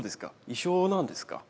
一緒なんですか？